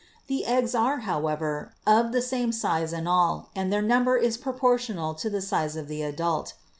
The eggs are, however, of the same size in all and their number is proportional to the size of the adult.